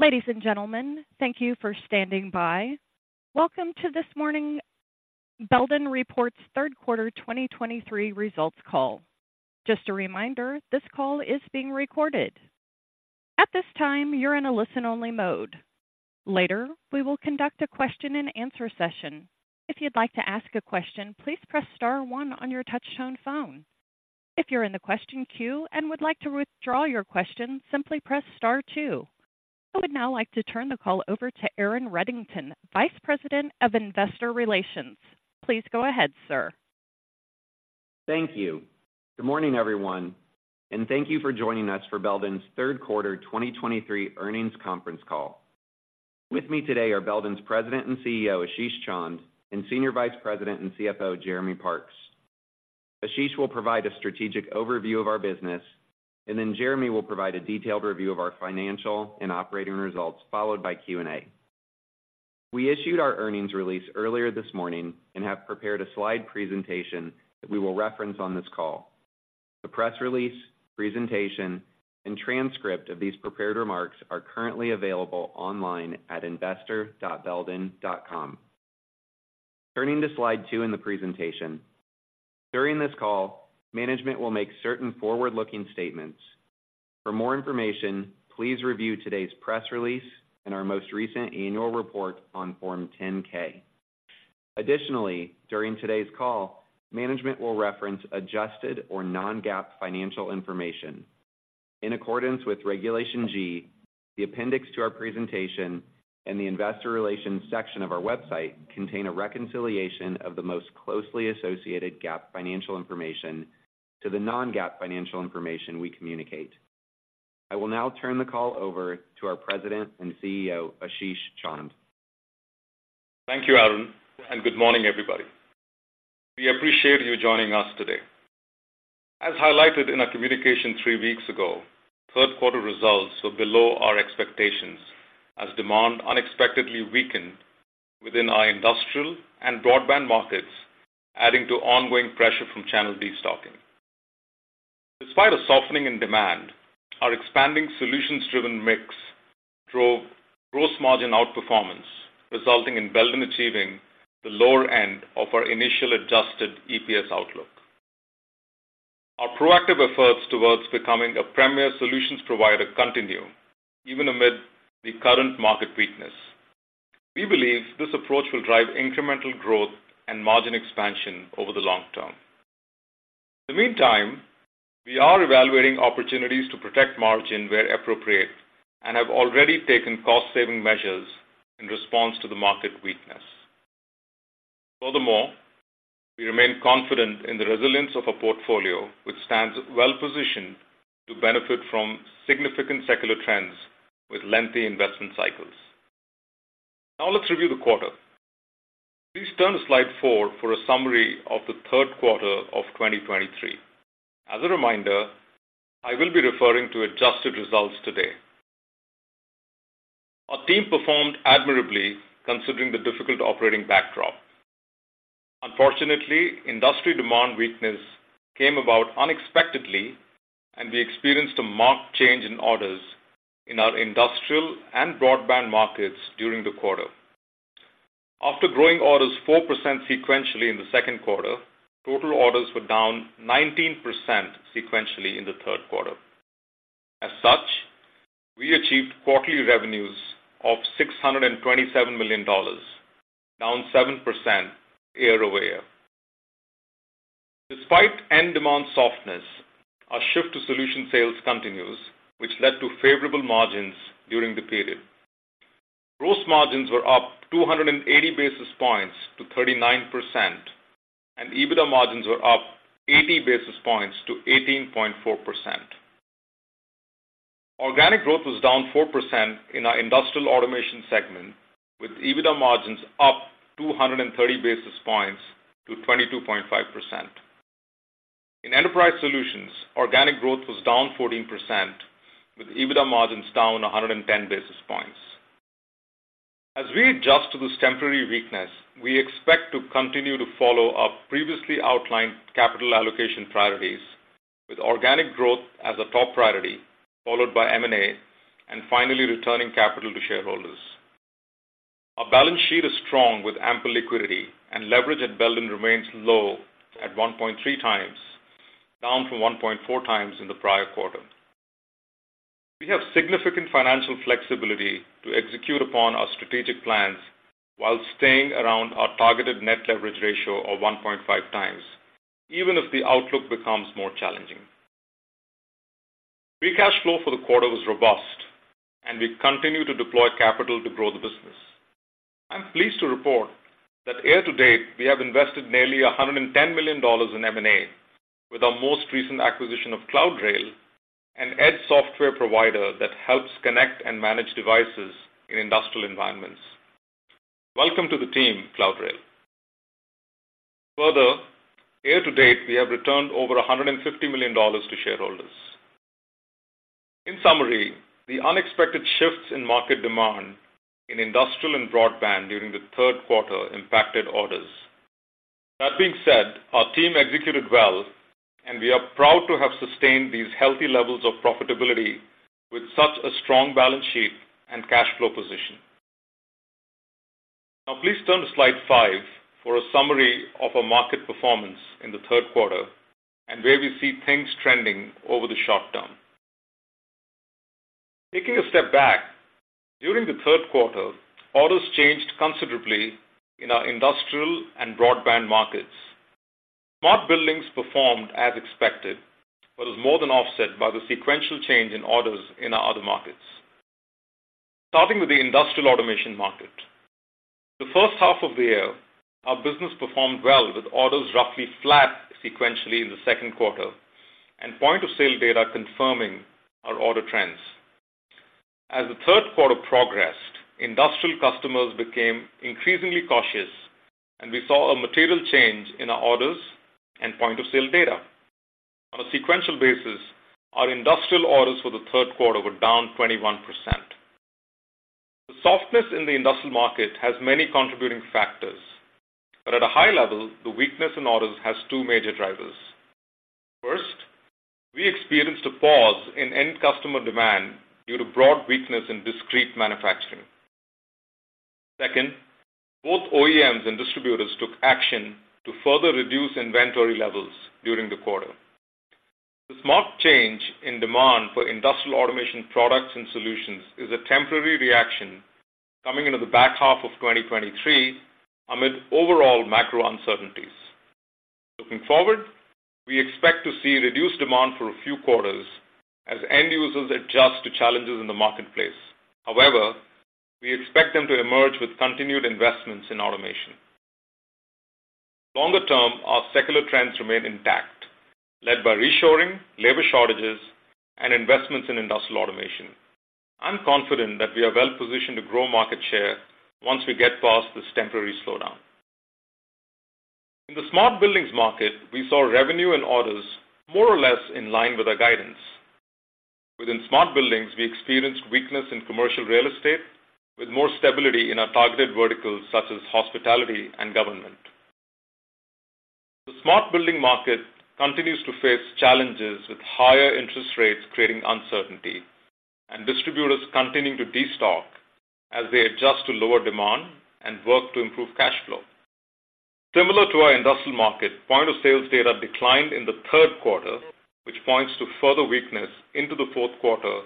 Ladies and gentlemen, thank you for standing by. Welcome to this morning's Belden's third quarter 2023 results call. Just a reminder, this call is being recorded. At this time, you're in a listen-only mode. Later, we will conduct a question-and-answer session. If you'd like to ask a question, please press star one on your touchtone phone. If you're in the question queue and would like to withdraw your question, simply press star two. I would now like to turn the call over to Aaron Reddington, Vice President of Investor Relations. Please go ahead, sir. Thank you. Good morning, everyone, and thank you for joining us for Belden's third quarter 2023 earnings conference call. With me today are Belden's President and CEO, Ashish Chand, and Senior Vice President and CFO, Jeremy Parks. Ashish will provide a strategic overview of our business, and then Jeremy will provide a detailed review of our financial and operating results, followed by Q&A. We issued our earnings release earlier this morning and have prepared a slide presentation that we will reference on this call. The press release, presentation, and transcript of these prepared remarks are currently available online at investor.belden.com. Turning to slide 2 in the presentation. During this call, management will make certain forward-looking statements. For more information, please review today's press release and our most recent annual report on Form 10-K. Additionally, during today's call, management will reference adjusted or non-GAAP financial information. In accordance with Regulation G, the appendix to our presentation and the investor relations section of our website contain a reconciliation of the most closely associated GAAP financial information to the non-GAAP financial information we communicate. I will now turn the call over to our President and CEO, Ashish Chand. Thank you, Aaron, and good morning, everybody. We appreciate you joining us today. As highlighted in our communication three weeks ago, third quarter results were below our expectations as demand unexpectedly weakened within our industrial and broadband markets, adding to ongoing pressure from channel destocking. Despite a softening in demand, our expanding solutions-driven mix drove gross margin outperformance, resulting in Belden achieving the lower end of our initial adjusted EPS outlook. Our proactive efforts towards becoming a premier solutions provider continue even amid the current market weakness. We believe this approach will drive incremental growth and margin expansion over the long term. In the meantime, we are evaluating opportunities to protect margin where appropriate and have already taken cost-saving measures in response to the market weakness. Furthermore, we remain confident in the resilience of a portfolio which stands well-positioned to benefit from significant secular trends with lengthy investment cycles. Now, let's review the quarter. Please turn to slide 4 for a summary of the third quarter of 2023. As a reminder, I will be referring to adjusted results today. Our team performed admirably considering the difficult operating backdrop. Unfortunately, industry demand weakness came about unexpectedly, and we experienced a marked change in orders in our industrial and broadband markets during the quarter. After growing orders 4% sequentially in the second quarter, total orders were down 19% sequentially in the third quarter. As such, we achieved quarterly revenues of $627 million, down 7% year-over-year. Despite end demand softness, our shift to solution sales continues, which led to favorable margins during the period. Gross margins were up 280 basis points to 39%, and EBITDA margins were up 80 basis points to 18.4%. Organic growth was down 4% in our industrial automation segment, with EBITDA margins up 230 basis points to 22.5%. In enterprise solutions, organic growth was down 14%, with EBITDA margins down 110 basis points. As we adjust to this temporary weakness, we expect to continue to follow our previously outlined capital allocation priorities, with organic growth as a top priority, followed by M&A and finally returning capital to shareholders. Our balance sheet is strong, with ample liquidity and leverage at Belden remains low at 1.3x, down from 1.4x in the prior quarter. We have significant financial flexibility to execute upon our strategic plans while staying around our targeted net leverage ratio of 1.5x, even if the outlook becomes more challenging. Free cash flow for the quarter was robust, and we continue to deploy capital to grow the business. I'm pleased to report that year to date, we have invested nearly $110 million in M&A, with our most recent acquisition of CloudRail, an IoT software provider that helps connect and manage devices in industrial environments. Welcome to the team, CloudRail. Further, year to date, we have returned over $150 million to shareholders. In summary, the unexpected shifts in market demand in industrial and broadband during the third quarter impacted orders. That being said, our team executed well, and we are proud to have sustained these healthy levels of profitability with such a strong balance sheet and cash flow position. Now, please turn to slide 5 for a summary of our market performance in the third quarter and where we see things trending over the short term. Taking a step back, during the third quarter, orders changed considerably in our industrial and broadband markets. Smart buildings performed as expected, but it was more than offset by the sequential change in orders in our other markets. Starting with the industrial automation market, the first half of the year, our business performed well, with orders roughly flat sequentially in the second quarter and point-of-sale data confirming our order trends. As the third quarter progressed, industrial customers became increasingly cautious, and we saw a material change in our orders and point-of-sale data. On a sequential basis, our industrial orders for the third quarter were down 21%. The softness in the industrial market has many contributing factors, but at a high level, the weakness in orders has two major drivers. First, we experienced a pause in end customer demand due to broad weakness in discrete manufacturing. Second, both OEMs and distributors took action to further reduce inventory levels during the quarter. The sharp change in demand for industrial automation products and solutions is a temporary reaction coming into the back half of 2023 amid overall macro uncertainties. Looking forward, we expect to see reduced demand for a few quarters as end users adjust to challenges in the marketplace. However, we expect them to emerge with continued investments in automation. Longer term, our secular trends remain intact, led by reshoring, labor shortages, and investments in industrial automation. I'm confident that we are well positioned to grow market share once we get past this temporary slowdown. In the smart buildings market, we saw revenue and orders more or less in line with our guidance. Within smart buildings, we experienced weakness in commercial real estate, with more stability in our targeted verticals, such as hospitality and government. The smart building market continues to face challenges, with higher interest rates creating uncertainty and distributors continuing to destock as they adjust to lower demand and work to improve cash flow. Similar to our industrial market, point-of-sale data declined in the third quarter, which points to further weakness into the fourth quarter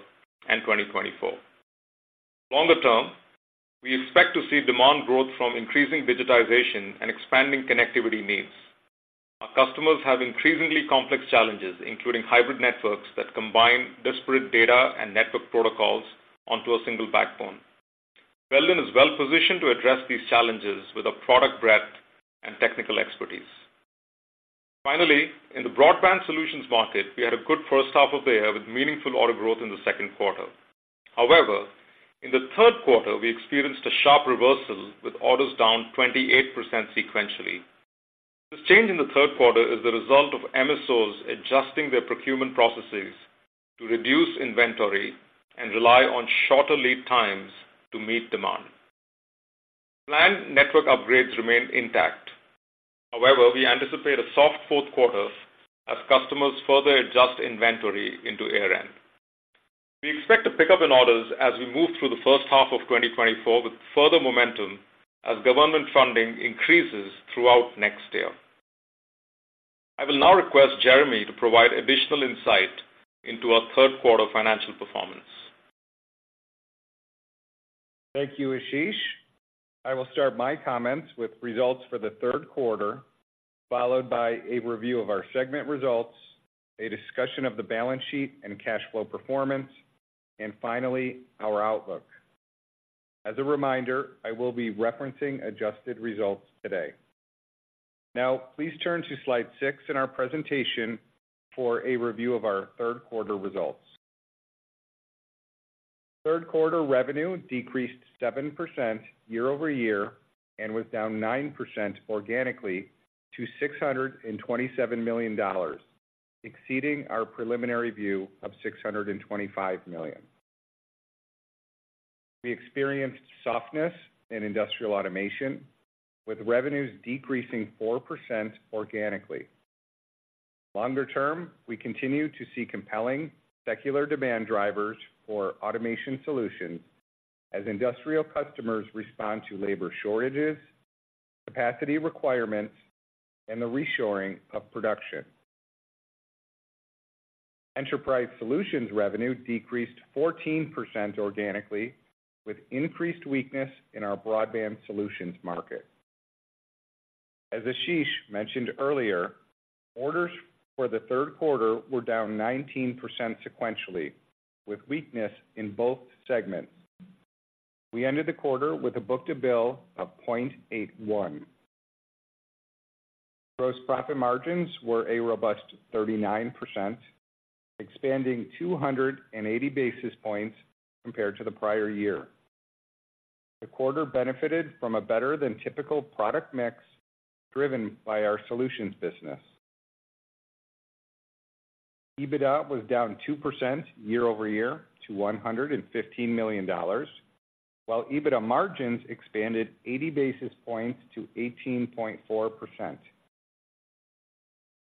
and 2024. Longer term, we expect to see demand growth from increasing digitization and expanding connectivity needs. Our customers have increasingly complex challenges, including hybrid networks that combine disparate data and network protocols onto a single backbone. Belden is well positioned to address these challenges with a product breadth and technical expertise. Finally, in the broadband solutions market, we had a good first half of the year, with meaningful order growth in the second quarter. However, in the third quarter, we experienced a sharp reversal, with orders down 28% sequentially. This change in the third quarter is the result of MSOs adjusting their procurement processes to reduce inventory and rely on shorter lead times to meet demand. Planned network upgrades remain intact. However, we anticipate a soft fourth quarter as customers further adjust inventory into year-end. We expect to pick up in orders as we move through the first half of 2024, with further momentum as government funding increases throughout next year. I will now request Jeremy to provide additional insight into our third quarter financial performance. Thank you, Ashish. I will start my comments with results for the third quarter, followed by a review of our segment results, a discussion of the balance sheet and cash flow performance, and finally, our outlook. As a reminder, I will be referencing adjusted results today. Now, please turn to slide 6 in our presentation for a review of our third quarter results. Third quarter revenue decreased 7% year-over-year and was down 9% organically to $627 million, exceeding our preliminary view of $625 million. We experienced softness in industrial automation, with revenues decreasing 4% organically. Longer term, we continue to see compelling secular demand drivers for automation solutions as industrial customers respond to labor shortages, capacity requirements, and the reshoring of production. Enterprise solutions revenue decreased 14% organically, with increased weakness in our broadband solutions market. As Ashish mentioned earlier, orders for the third quarter were down 19% sequentially, with weakness in both segments. We ended the quarter with a book-to-bill of 0.81. Gross profit margins were a robust 39%, expanding 280 basis points compared to the prior year. The quarter benefited from a better-than-typical product mix driven by our solutions business.... EBITDA was down 2% year-over-year to $115 million, while EBITDA margins expanded 80 basis points to 18.4%.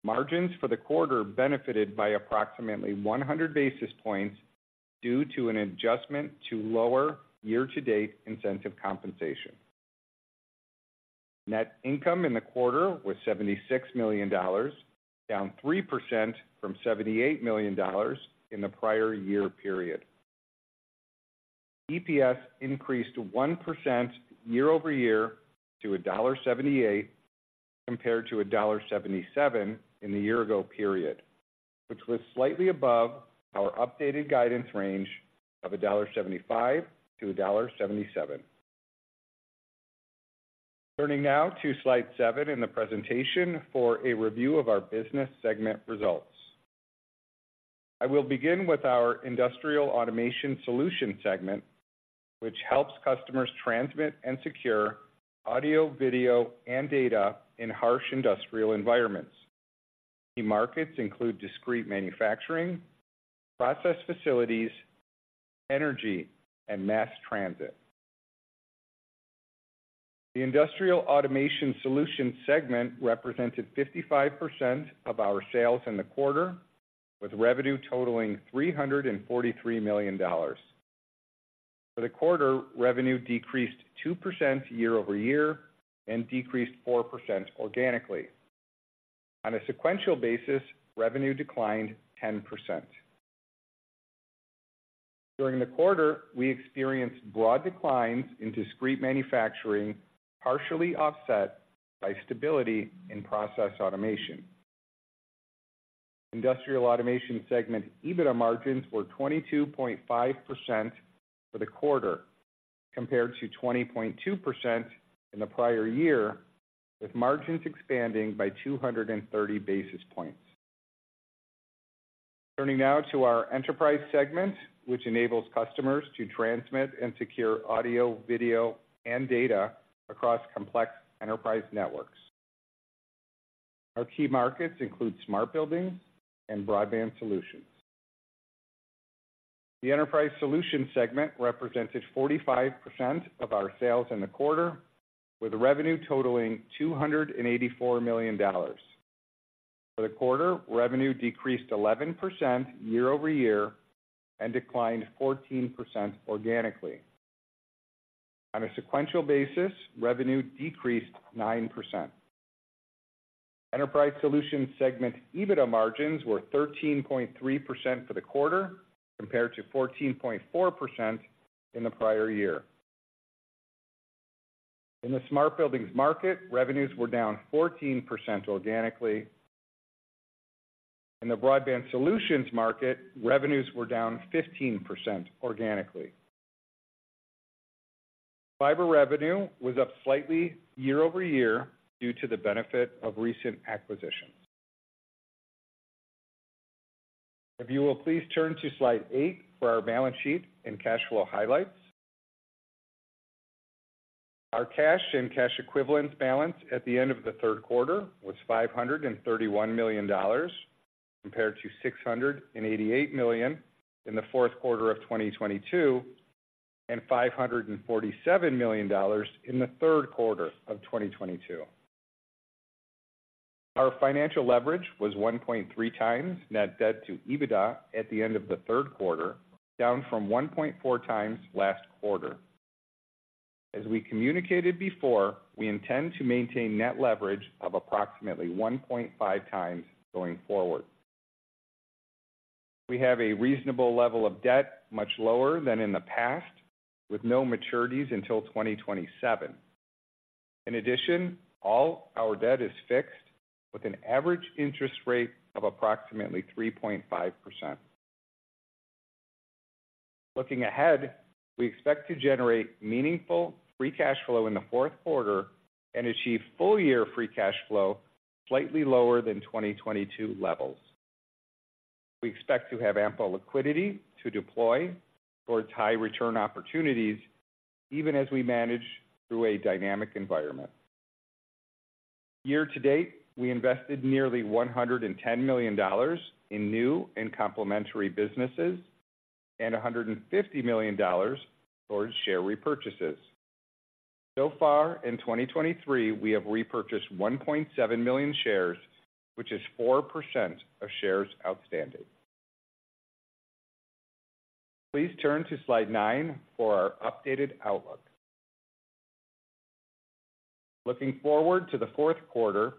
Margins for the quarter benefited by approximately 100 basis points due to an adjustment to lower year-to-date incentive compensation. Net income in the quarter was $76 million, down 3% from $78 million in the prior year period. EPS increased 1% year-over-year to $1.78, compared to $1.77 in the year ago period, which was slightly above our updated guidance range of $1.75-$1.77. Turning now to slide 7 in the presentation for a review of our business segment results. I will begin with our Industrial Automation Solution segment, which helps customers transmit and secure audio, video, and data in harsh industrial environments. The markets include discrete manufacturing, process facilities, energy, and mass transit. The Industrial Automation Solution segment represented 55% of our sales in the quarter, with revenue totaling $343 million. For the quarter, revenue decreased 2% year-over-year and decreased 4% organically. On a sequential basis, revenue declined 10%. During the quarter, we experienced broad declines in discrete manufacturing, partially offset by stability in process automation. Industrial Automation segment EBITDA margins were 22.5% for the quarter, compared to 20.2% in the prior year, with margins expanding by 230 basis points. Turning now to our enterprise segment, which enables customers to transmit and secure audio, video, and data across complex enterprise networks. Our key markets include smart building and broadband solutions. The Enterprise Solution segment represented 45% of our sales in the quarter, with revenue totaling $284 million. For the quarter, revenue decreased 11% year-over-year and declined 14% organically. On a sequential basis, revenue decreased 9%. Enterprise Solutions segment EBITDA margins were 13.3% for the quarter, compared to 14.4% in the prior year. In the smart buildings market, revenues were down 14% organically. In the broadband solutions market, revenues were down 15% organically. Fiber revenue was up slightly year-over-year due to the benefit of recent acquisitions. If you will please turn to slide 8 for our balance sheet and cash flow highlights. Our cash and cash equivalents balance at the end of the third quarter was $531 million, compared to $688 million in the fourth quarter of 2022, and $547 million in the third quarter of 2022. Our financial leverage was 1.3x net debt to EBITDA at the end of the third quarter, down from 1.4x last quarter. As we communicated before, we intend to maintain net leverage of approximately 1.5x going forward. We have a reasonable level of debt, much lower than in the past, with no maturities until 2027. In addition, all our debt is fixed with an average interest rate of approximately 3.5%. Looking ahead, we expect to generate meaningful free cash flow in the fourth quarter and achieve full year free cash flow slightly lower than 2022 levels. We expect to have ample liquidity to deploy towards high return opportunities, even as we manage through a dynamic environment. Year to date, we invested nearly $110 million in new and complementary businesses and $150 million towards share repurchases. So far in 2023, we have repurchased 1.7 million shares, which is 4% of shares outstanding. Please turn to slide nine for our updated outlook. Looking forward to the fourth quarter,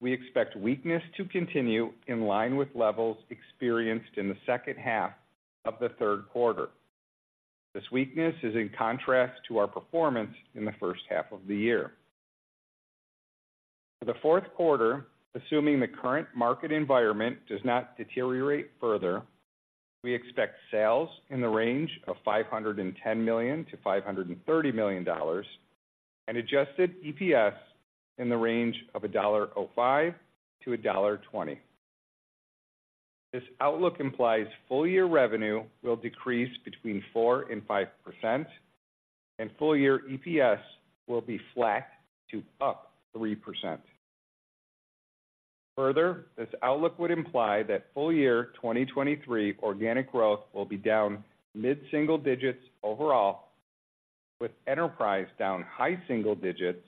we expect weakness to continue in line with levels experienced in the second half of the third quarter. This weakness is in contrast to our performance in the first half of the year. For the fourth quarter, assuming the current market environment does not deteriorate further, we expect sales in the range of $510 million-$530 million, and adjusted EPS in the range of $1.05-$1.20. This outlook implies full year revenue will decrease between 4%-5%, and full year EPS will be flat to +3%. Further, this outlook would imply that full year 2023 organic growth will be down mid-single digits overall, with enterprise down high single digits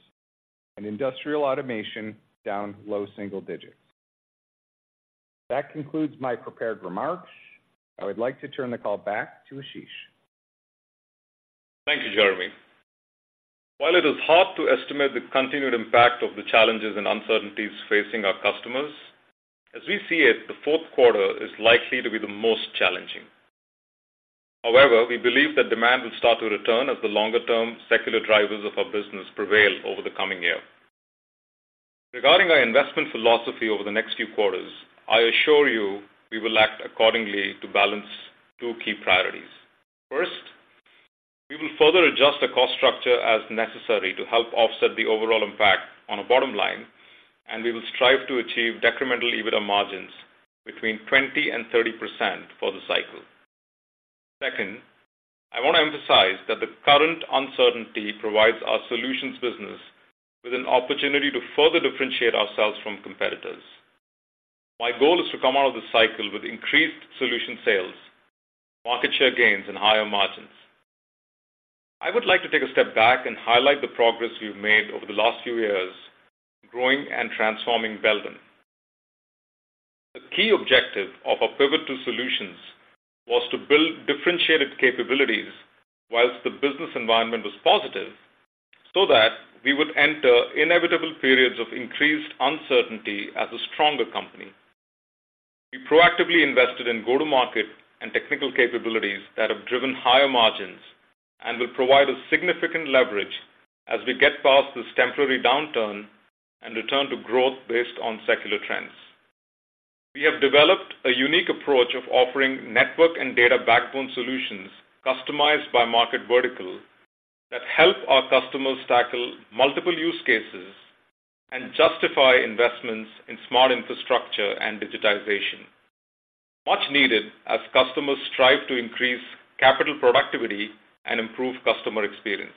and industrial automation down low single digits. That concludes my prepared remarks. I would like to turn the call back to Ashish. Thank you, Jeremy. While it is hard to estimate the continued impact of the challenges and uncertainties facing our customers, as we see it, the fourth quarter is likely to be the most challenging. However, we believe that demand will start to return as the longer-term secular drivers of our business prevail over the coming year. Regarding our investment philosophy over the next few quarters, I assure you we will act accordingly to balance two key priorities. First, we will further adjust the cost structure as necessary to help offset the overall impact on a bottom line, and we will strive to achieve decremental EBITDA margins between 20% and 30% for the cycle. Second, I want to emphasize that the current uncertainty provides our solutions business with an opportunity to further differentiate ourselves from competitors. My goal is to come out of this cycle with increased solution sales, market share gains, and higher margins. I would like to take a step back and highlight the progress we've made over the last few years growing and transforming Belden. The key objective of our pivot to solutions was to build differentiated capabilities while the business environment was positive, so that we would enter inevitable periods of increased uncertainty as a stronger company. We proactively invested in go-to-market and technical capabilities that have driven higher margins and will provide a significant leverage as we get past this temporary downturn and return to growth based on secular trends. We have developed a unique approach of offering network and data backbone solutions, customized by market vertical, that help our customers tackle multiple use cases and justify investments in smart infrastructure and digitization. Much needed as customers strive to increase capital productivity and improve customer experience.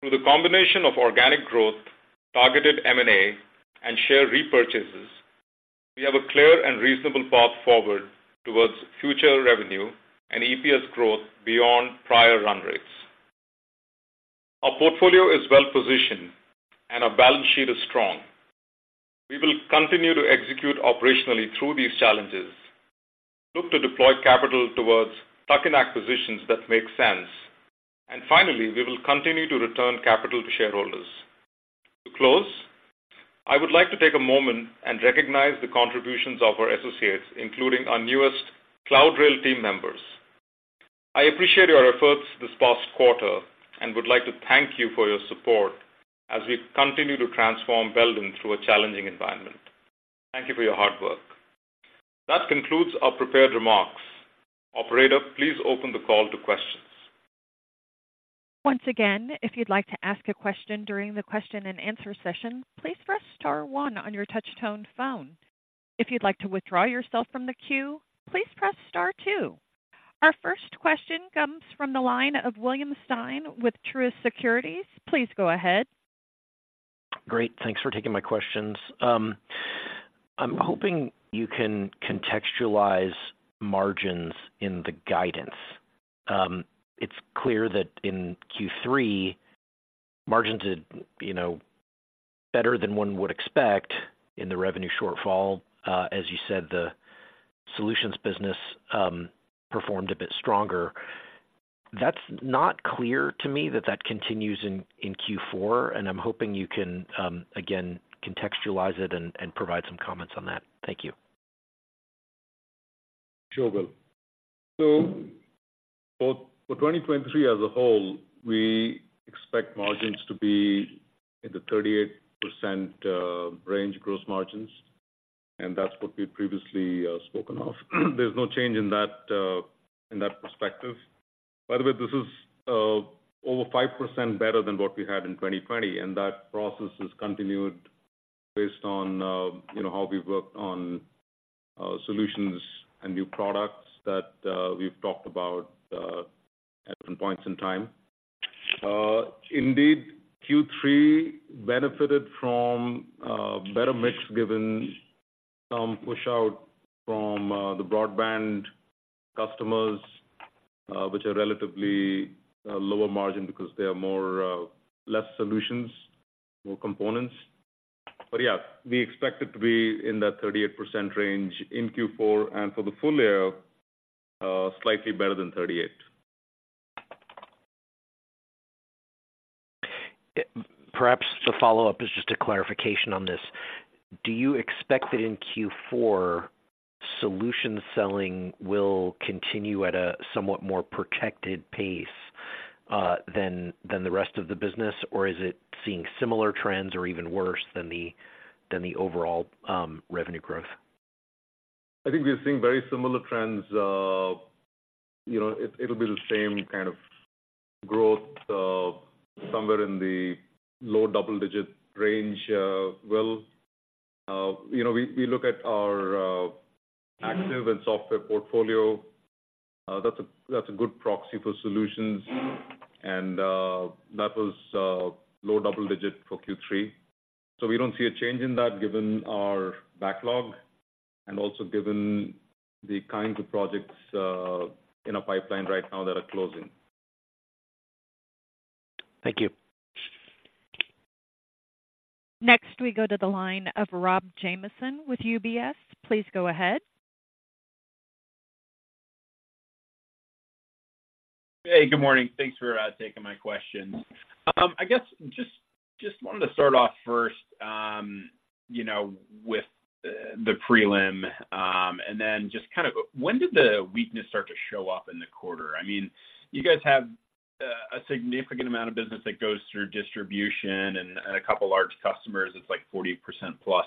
Through the combination of organic growth, targeted M&A, and share repurchases, we have a clear and reasonable path forward towards future revenue and EPS growth beyond prior run rates. Our portfolio is well positioned, and our balance sheet is strong. We will continue to execute operationally through these challenges, look to deploy capital towards tuck-in acquisitions that make sense, and finally, we will continue to return capital to shareholders. To close, I would like to take a moment and recognize the contributions of our associates, including our newest CloudRail team members. I appreciate your efforts this past quarter and would like to thank you for your support as we continue to transform Belden through a challenging environment. Thank you for your hard work. That concludes our prepared remarks. Operator, please open the call to questions. Once again, if you'd like to ask a question during the question and answer session, please press star one on your touch tone phone. If you'd like to withdraw yourself from the queue, please press star two. Our first question comes from the line of William Stein with Truist Securities. Please go ahead. Great, thanks for taking my questions. I'm hoping you can contextualize margins in the guidance. It's clear that in Q3, margins did, you know, better than one would expect in the revenue shortfall. As you said, the solutions business performed a bit stronger. That's not clear to me that that continues in Q4, and I'm hoping you can again contextualize it and provide some comments on that. Thank you. Sure, Will. So for 2023 as a whole, we expect margins to be in the 38% range, gross margins, and that's what we've previously spoken of. There's no change in that perspective. By the way, this is over 5% better than what we had in 2020, and that process is continued based on you know, how we've worked on solutions and new products that we've talked about at different points in time. Indeed, Q3 benefited from better mix, given some push out from the broadband customers, which are relatively lower margin because they are more less solutions, more components. But yeah, we expect it to be in that 38% range in Q4, and for the full year, slightly better than 38%. Perhaps the follow-up is just a clarification on this. Do you expect that in Q4, solution selling will continue at a somewhat more protected pace than the rest of the business? Or is it seeing similar trends or even worse than the overall revenue growth? I think we are seeing very similar trends. You know, it'll be the same kind of growth somewhere in the low double-digit range. Well, you know, we look at our active and software portfolio. That's a good proxy for solutions, and that was low double-digit for Q3. So we don't see a change in that given our backlog and also given the kinds of projects in our pipeline right now that are closing. Thank you. Next, we go to the line of Rob Jamieson with UBS. Please go ahead. Hey, good morning. Thanks for taking my questions. I guess just wanted to start off first, you know, with the prelim, and then just kind of when did the weakness start to show up in the quarter? I mean, you guys have a significant amount of business that goes through distribution and a couple large customers. It's like 40%+.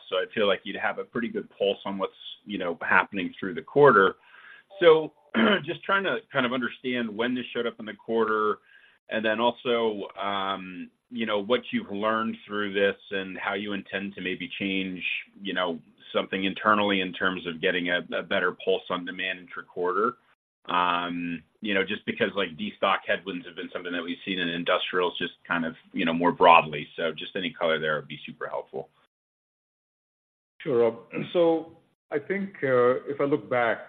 So I feel like you'd have a pretty good pulse on what's, you know, happening through the quarter. So, just trying to kind of understand when this showed up in the quarter and then also, you know, what you've learned through this and how you intend to maybe change, you know, something internally in terms of getting a better pulse on demand inter quarter. You know, just because, like, destock headwinds have been something that we've seen in industrials, just kind of, you know, more broadly. So just any color there would be super helpful. Sure, Rob. So I think, if I look back,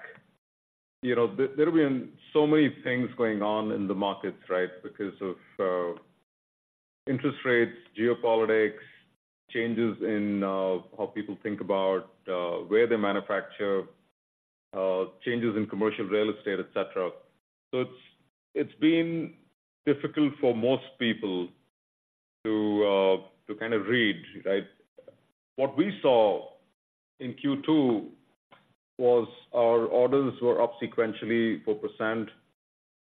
you know, there, there have been so many things going on in the markets, right? Because of, interest rates, geopolitics, changes in, how people think about, where they manufacture, changes in commercial real estate, et cetera. So it's, it's been difficult for most people to, to kind of read, right? What we saw in Q2 was our orders were up sequentially 4%.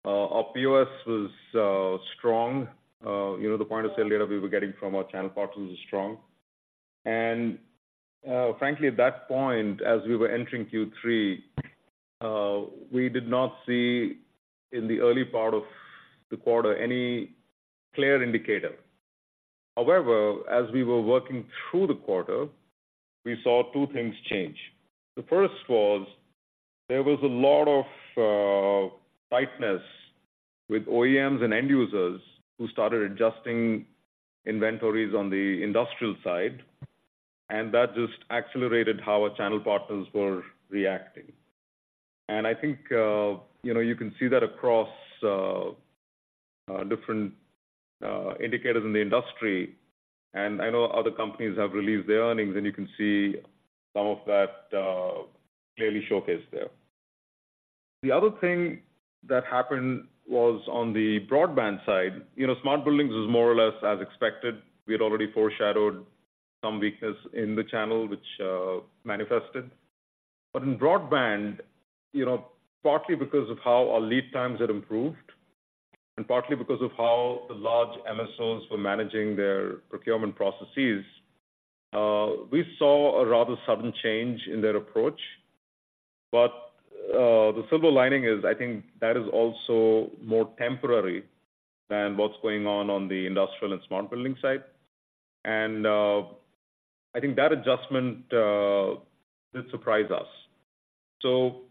Our POS was strong. You know, the Point-of-Sale data we were getting from our channel partners was strong. And, frankly, at that point, as we were entering Q3, we did not see, in the early part of the quarter, any clear indicator. However, as we were working through the quarter, we saw two things change. The first was there was a lot of tightness with OEMs and end users who started adjusting inventories on the industrial side, and that just accelerated how our channel partners were reacting. I think, you know, you can see that across different indicators in the industry. I know other companies have released their earnings, and you can see some of that clearly showcased there. The other thing that happened was on the broadband side. You know, smart buildings is more or less as expected. We had already foreshadowed some weakness in the channel, which manifested. But in broadband, you know, partly because of how our lead times had improved and partly because of how the large MSOs were managing their procurement processes, we saw a rather sudden change in their approach. But, the silver lining is, I think, that is also more temporary than what's going on on the industrial and smart building side. And, I think that adjustment did surprise us. So,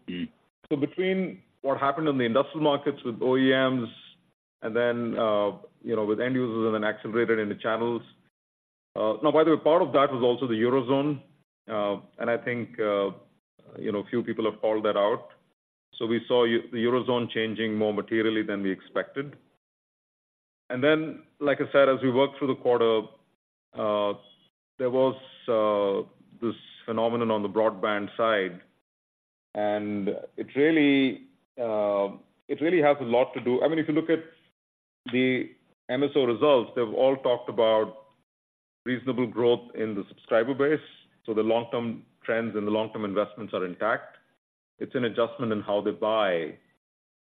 so between what happened in the industrial markets with OEMs and then, you know, with end users and then accelerated in the channels... Now, by the way, part of that was also the Eurozone, and I think, you know, a few people have called that out. So we saw the Eurozone changing more materially than we expected. And then, like I said, as we worked through the quarter, there was this phenomenon on the broadband side, and it really, it really has a lot to do—I mean, if you look at the MSO results, they've all talked about reasonable growth in the subscriber base, so the long-term trends and the long-term investments are intact. It's an adjustment in how they buy.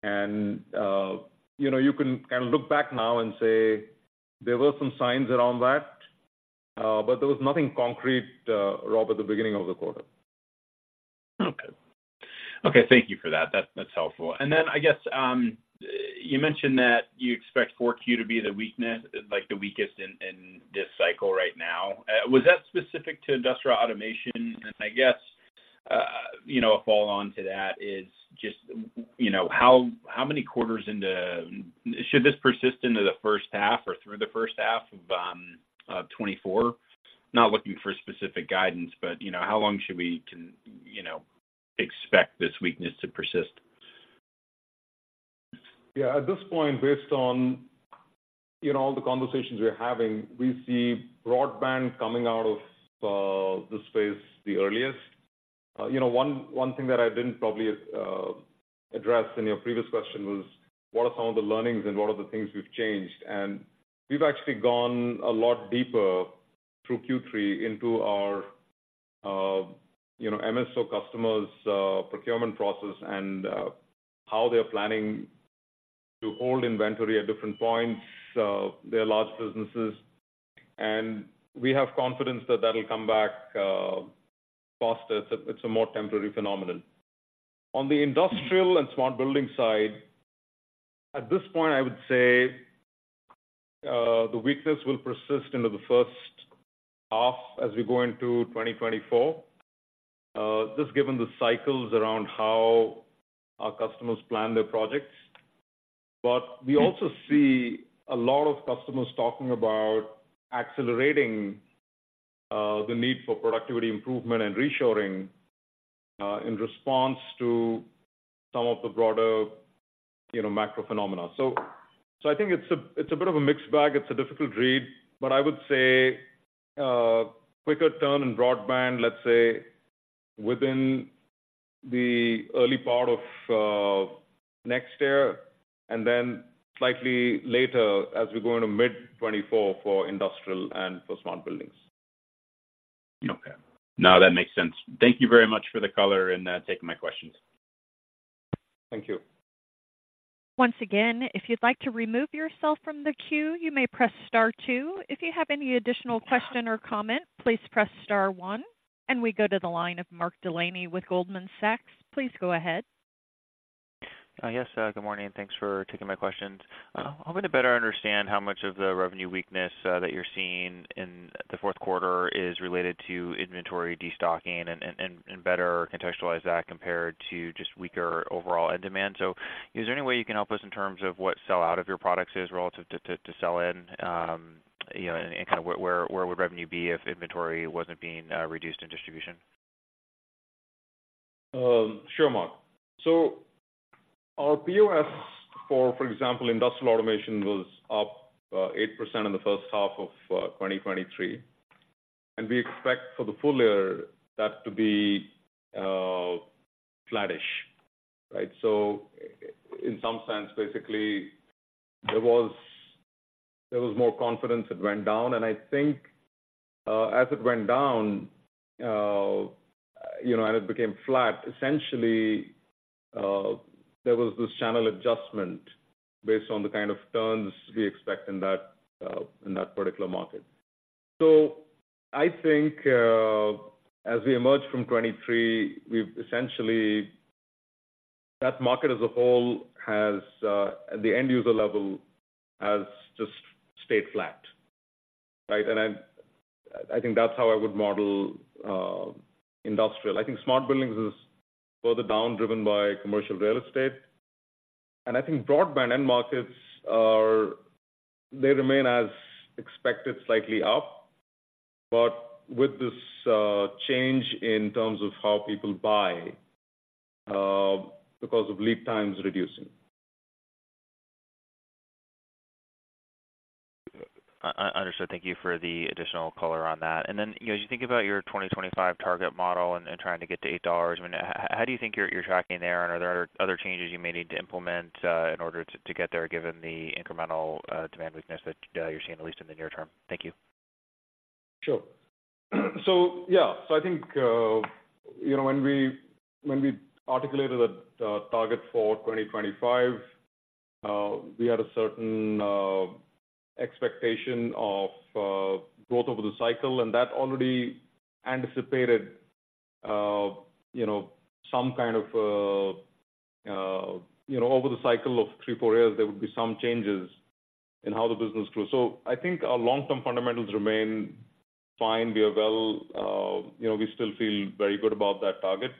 And, you know, you can kind of look back now and say there were some signs around that, but there was nothing concrete, Rob, at the beginning of the quarter. Okay. Okay, thank you for that. That, that's helpful. And then I guess, you mentioned that you expect 4Q to be the weakness, like, the weakest in, in this cycle right now. Was that specific to industrial automation? And I guess, you know, a follow-on to that is just, you know, how, how many quarters into-- Should this persist into the first half or through the first half of, 2024? Not looking for specific guidance, but, you know, how long should we can, you know, expect this weakness to persist? Yeah, at this point, based on, you know, all the conversations we're having, we see broadband coming out of this phase the earliest. You know, one thing that I didn't probably address in your previous question was, what are some of the learnings and what are the things we've changed? And we've actually gone a lot deeper through Q3 into our, you know, MSO customers', procurement process and, how they're planning to hold inventory at different points. They're large businesses, and we have confidence that that'll come back faster. It's a more temporary phenomenon. On the industrial and smart building side, at this point, I would say, the weakness will persist into the first half as we go into 2024, just given the cycles around how our customers plan their projects. But we also see a lot of customers talking about accelerating, the need for productivity improvement and reshoring, in response to some of the broader, you know, macro phenomena. So, so I think it's a, it's a bit of a mixed bag. It's a difficult read, but I would say, quicker turn in broadband, let's say within the early part of, next year, and then slightly later as we go into mid-2024 for industrial and for smart buildings. Okay. No, that makes sense. Thank you very much for the color and taking my questions. Thank you. Once again, if you'd like to remove yourself from the queue, you may press star two. If you have any additional question or comment, please press star one. We go to the line of Mark Delaney with Goldman Sachs. Please go ahead. Yes, good morning, and thanks for taking my questions. I'm going to better understand how much of the revenue weakness that you're seeing in the fourth quarter is related to inventory destocking and better contextualize that compared to just weaker overall end demand. So is there any way you can help us in terms of what sell out of your products is relative to sell in, you know, and kind of where would revenue be if inventory wasn't being reduced in distribution? Sure, Mark. So our POS for example, industrial automation was up 8% in the first half of 2023, and we expect for the full year that to be flattish, right? So in some sense, basically, there was more confidence it went down, and I think as it went down, you know, and it became flat, essentially, there was this channel adjustment based on the kind of turns we expect in that particular market. So I think as we emerge from 2023, we've essentially... That market as a whole has at the end user level just stayed flat, right? And I think that's how I would model industrial. I think smart buildings is further down, driven by commercial real estate. I think broadband end markets are, they remain as expected, slightly up, but with this change in terms of how people buy, because of lead times reducing. Understood. Thank you for the additional color on that. And then, you know, as you think about your 2025 target model and trying to get to $8, I mean, how do you think you're tracking there? And are there other changes you may need to implement in order to get there, given the incremental demand weakness that you're seeing, at least in the near term? Thank you. Sure. So, yeah. So I think, you know, when we, when we articulated the target for 2025, we had a certain expectation of growth over the cycle, and that already anticipated, you know, some kind of, you know, over the cycle of three to four years, there would be some changes in how the business grew. So I think our long-term fundamentals remain fine. We are well, you know, we still feel very good about that target,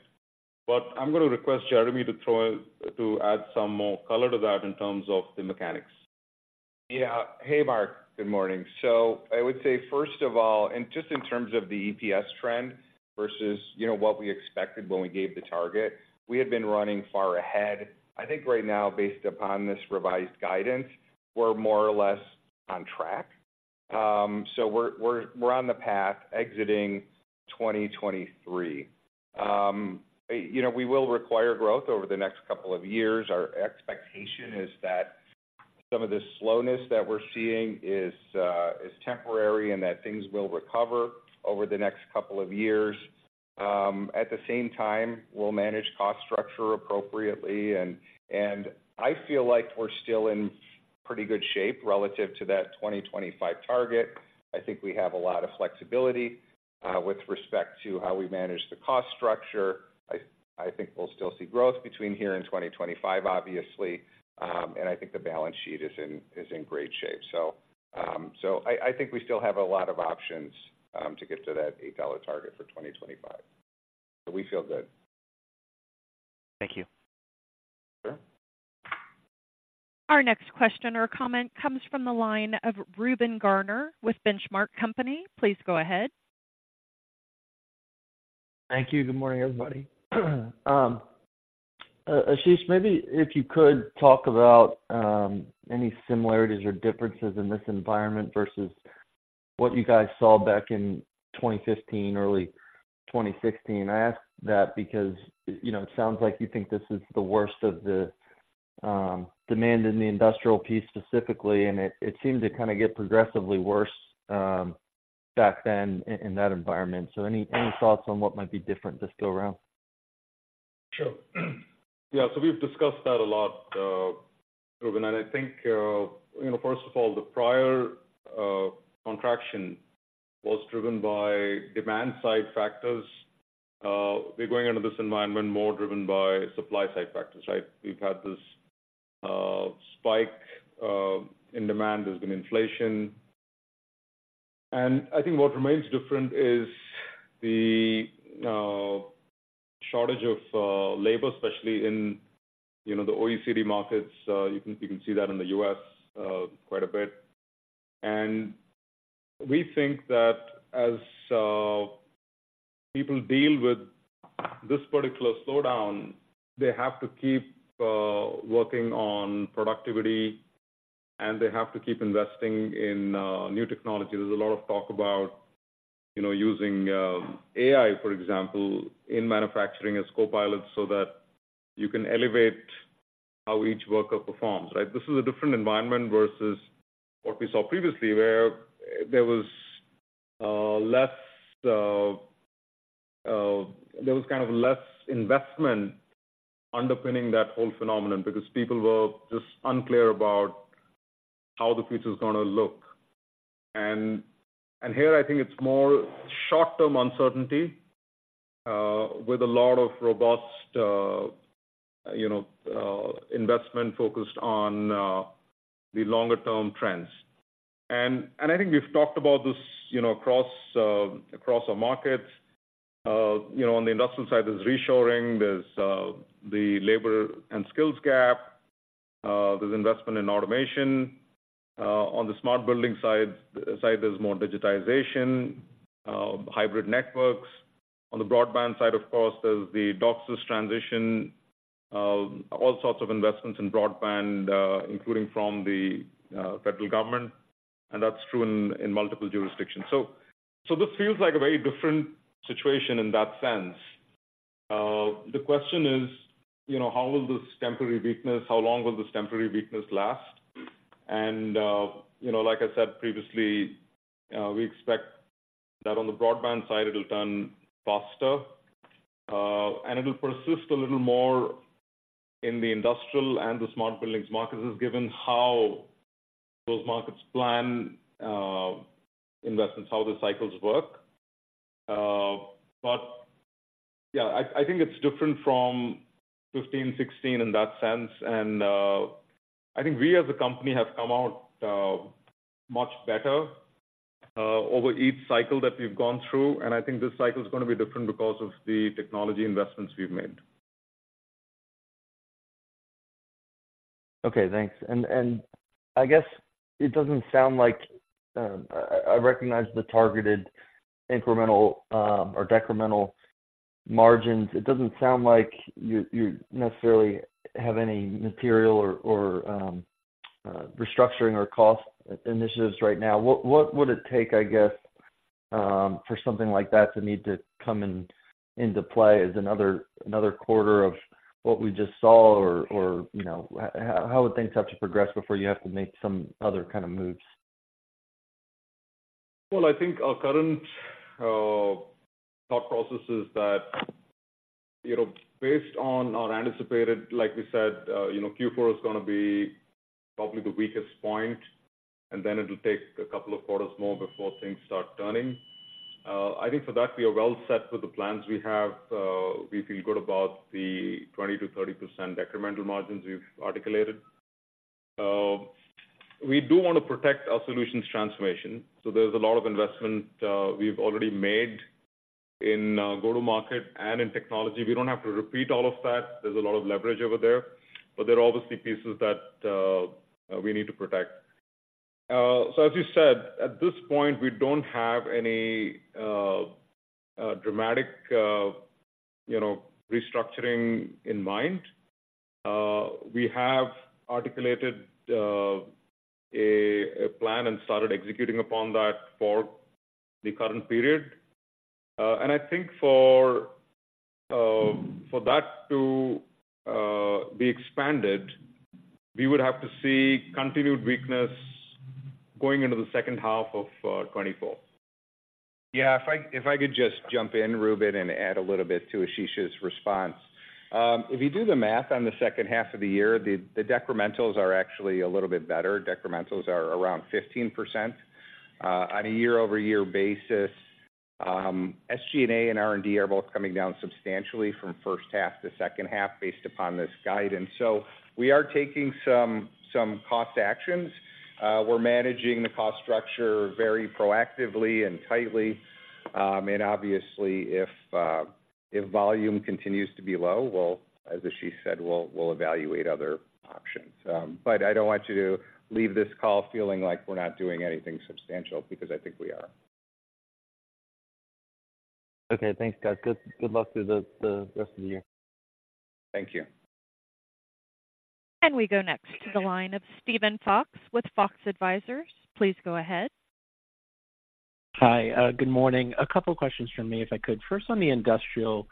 but I'm going to request Jeremy to throw in, to add some more color to that in terms of the mechanics. Yeah. Hey, Mark, good morning. So I would say, first of all, and just in terms of the EPS trend versus, you know, what we expected when we gave the target, we had been running far ahead. I think right now, based upon this revised guidance, we're more or less on track. So we're on the path exiting 2023. You know, we will require growth over the next couple of years. Our expectation is that some of this slowness that we're seeing is temporary and that things will recover over the next couple of years. At the same time, we'll manage cost structure appropriately, and I feel like we're still in pretty good shape relative to that 2025 target. I think we have a lot of flexibility with respect to how we manage the cost structure. I think we'll still see growth between here and 2025, obviously, and I think the balance sheet is in great shape. So I think we still have a lot of options to get to that $8 target for 2025. So we feel good. Thank you. Sure. Our next question or comment comes from the line of Reuben Garner with Benchmark Company. Please go ahead. Thank you. Good morning, everybody. Ashish, maybe if you could talk about any similarities or differences in this environment versus what you guys saw back in 2015, early 2016. I ask that because, you know, it sounds like you think this is the worst of the demand in the industrial piece specifically, and it seemed to kind of get progressively worse back then in that environment. So any thoughts on what might be different this go around? Sure. Yeah, so we've discussed that a lot, Reuben, and I think, you know, first of all, the prior contraction was driven by demand side factors. We're going into this environment more driven by supply side factors, right? We've had this spike in demand. There's been inflation. And I think what remains different is the shortage of labor, especially in, you know, the OECD markets. You can see that in the U.S. quite a bit. And we think that as people deal with this particular slowdown, they have to keep working on productivity, and they have to keep investing in new technology. There's a lot of talk about, you know, using AI, for example, in manufacturing as copilots so that you can elevate how each worker performs, right? This is a different environment versus what we saw previously, where there was less investment underpinning that whole phenomenon because people were just unclear about how the future is gonna look. And here, I think it's more short-term uncertainty with a lot of robust, you know, investment focused on the longer term trends. And I think we've talked about this, you know, across our markets. You know, on the industrial side, there's reshoring, there's the labor and skills gap, there's investment in automation. On the smart building side, there's more digitization, hybrid networks. On the broadband side, of course, there's the DOCSIS transition, all sorts of investments in broadband, including from the federal government, and that's true in multiple jurisdictions. So, this feels like a very different situation in that sense. The question is, you know, how will this temporary weakness, how long will this temporary weakness last? And, you know, like I said previously, we expect that on the broadband side, it'll turn faster, and it'll persist a little more in the industrial and the smart buildings markets, just given how those markets plan, investments, how the cycles work. But yeah, I think it's different from 15, 16 in that sense. And, I think we as a company have come out, much better, over each cycle that we've gone through. And I think this cycle is gonna be different because of the technology investments we've made. Okay, thanks. And I guess it doesn't sound like I recognize the targeted incremental or decremental margins. It doesn't sound like you necessarily have any material or restructuring or cost initiatives right now. What would it take, I guess, for something like that to need to come into play as another quarter of what we just saw? Or you know, how would things have to progress before you have to make some other kind of moves? Well, I think our current thought process is that, you know, based on our anticipated, like we said, you know, Q4 is gonna be probably the weakest point, and then it'll take a couple of quarters more before things start turning. I think for that, we are well set with the plans we have. We feel good about the 20%-30% decremental margins we've articulated. We do want to protect our solutions transformation, so there's a lot of investment we've already made in go-to-market and in technology. We don't have to repeat all of that. There's a lot of leverage over there, but there are obviously pieces that we need to protect. So as you said, at this point, we don't have any dramatic, you know, restructuring in mind. We have articulated a plan and started executing upon that for the current period. And I think for that to be expanded, we would have to see continued weakness going into the second half of 2024. Yeah, if I could just jump in, Reuben, and add a little bit to Ashish's response. If you do the math on the second half of the year, the decrementals are actually a little bit better. Decrementals are around 15%, on a year-over-year basis. SG&A and R&D are both coming down substantially from first half to second half based upon this guidance. So we are taking some cost actions. We're managing the cost structure very proactively and tightly. And obviously, if volume continues to be low, we'll, as Ashish said, evaluate other options. But I don't want you to leave this call feeling like we're not doing anything substantial, because I think we are. Okay. Thanks, guys. Good, good luck through the rest of the year. Thank you. We go next to the line of Steven Fox with Fox Advisors. Please go ahead. Hi, good morning. A couple of questions from me, if I could. First, on the industrial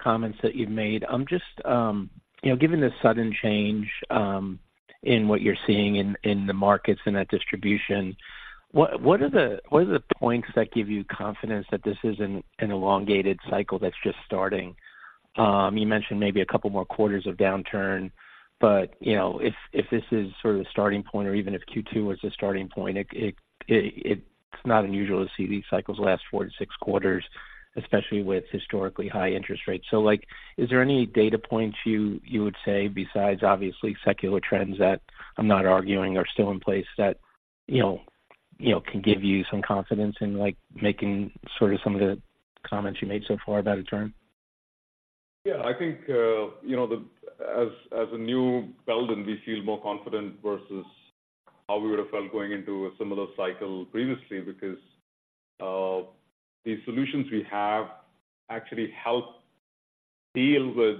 comments that you've made, I'm just, you know, given the sudden change, in what you're seeing in, in the markets and that distribution, what, what are the, what are the points that give you confidence that this isn't an elongated cycle that's just starting? You mentioned maybe a couple more quarters of downturn, but, you know, if, if this is sort of the starting point, or even if Q2 was the starting point, it's not unusual to see these cycles last 4-6 quarters, especially with historically high interest rates. Like, is there any data points you would say, besides obviously secular trends that I'm not arguing are still in place, that, you know, can give you some confidence in, like, making sort of some of the comments you made so far about a turn? Yeah, I think, you know, as a new Belden, we feel more confident versus how we would have felt going into a similar cycle previously. Because, the solutions we have actually help deal with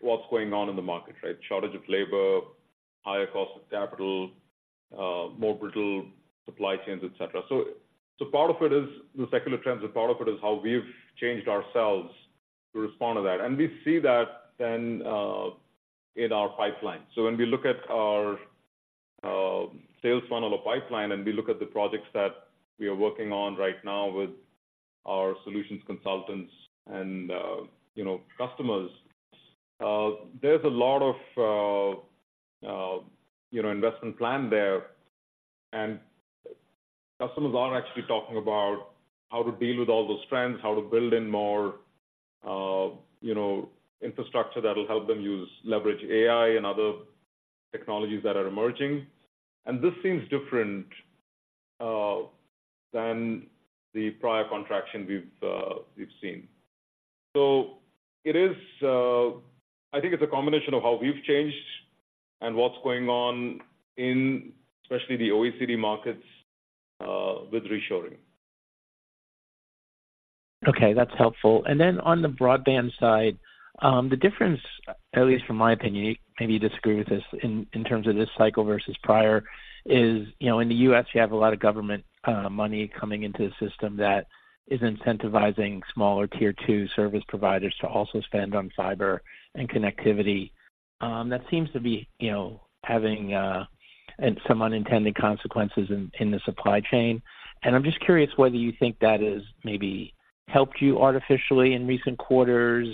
what's going on in the market, right? Shortage of labor, higher cost of capital, more brittle supply chains, et cetera. So, part of it is the secular trends, but part of it is how we've changed ourselves to respond to that. And we see that then, in our pipeline. So when we look at our sales funnel or pipeline, and we look at the projects that we are working on right now with our solutions consultants and, you know, customers, there's a lot of, you know, investment plan there. Customers are actually talking about how to deal with all those trends, how to build in more, you know, infrastructure that will help them use leverage AI and other technologies that are emerging. This seems different than the prior contraction we've seen. It is, I think it's a combination of how we've changed and what's going on in especially the OECD markets with reshoring. Okay, that's helpful. And then on the broadband side, the difference, at least from my opinion, maybe you disagree with this, in terms of this cycle versus prior, is, you know, in the U.S., you have a lot of government money coming into the system that is incentivizing smaller tier two service providers to also spend on fiber and connectivity. That seems to be, you know, having some unintended consequences in the supply chain. And I'm just curious whether you think that has maybe helped you artificially in recent quarters,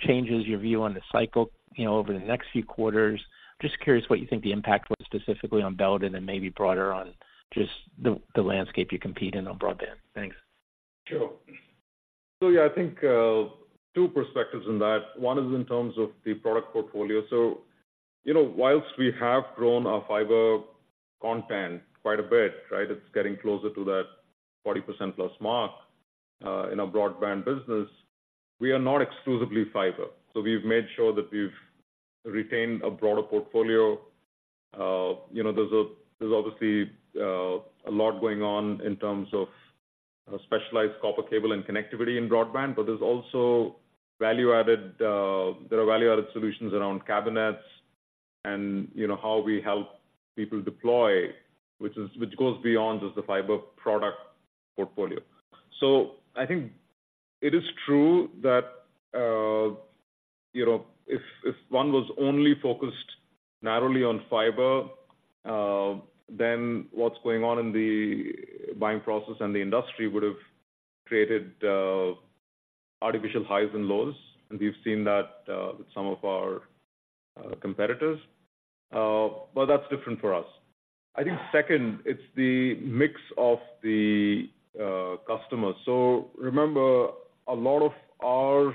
changes your view on the cycle, you know, over the next few quarters. Just curious what you think the impact was specifically on Belden and maybe broader on just the landscape you compete in on broadband. Thanks. Sure. So yeah, I think, two perspectives on that. One is in terms of the product portfolio. So, you know, whilst we have grown our fiber content quite a bit, right, it's getting closer to that 40%+ mark, in our broadband business, we are not exclusively fiber. So we've made sure that we've retained a broader portfolio. You know, there's obviously a lot going on in terms of specialized copper cable and connectivity in broadband, but there's also value-added, there are value-added solutions around cabinets and, you know, how we help people deploy, which goes beyond just the fiber product portfolio. So I think it is true that, you know, if one was only focused narrowly on fiber, then what's going on in the buying process and the industry would have created artificial highs and lows. And we've seen that with some of our competitors, but that's different for us. I think second, it's the mix of the customers. So remember, a lot of our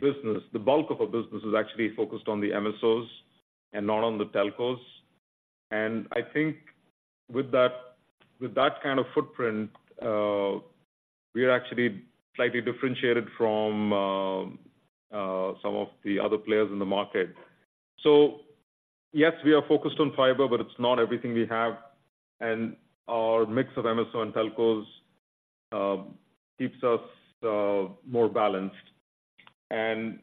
business, the bulk of our business is actually focused on the MSOs and not on the telcos. And I think with that, with that kind of footprint, we are actually slightly differentiated from some of the other players in the market. So yes, we are focused on fiber, but it's not everything we have. And our mix of MSO and telcos keeps us more balanced. And,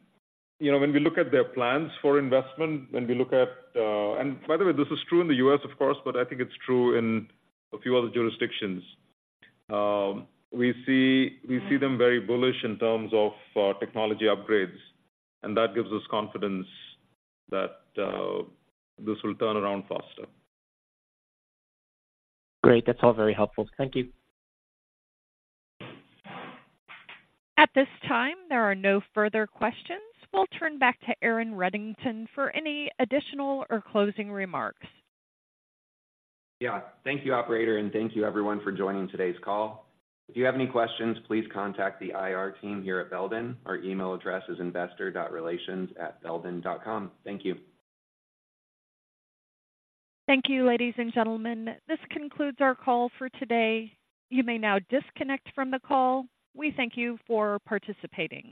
you know, when we look at their plans for investment, when we look at. And by the way, this is true in the U.S., of course, but I think it's true in a few other jurisdictions. We see, we see them very bullish in terms of technology upgrades, and that gives us confidence that this will turn around faster. Great. That's all very helpful. Thank you. At this time, there are no further questions. We'll turn back to Aaron Reddington for any additional or closing remarks. Yeah. Thank you, operator, and thank you everyone for joining today's call. If you have any questions, please contact the IR team here at Belden. Our email address is investor.relations@belden.com. Thank you. Thank you, ladies and gentlemen. This concludes our call for today. You may now disconnect from the call. We thank you for participating.